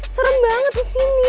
serem banget disini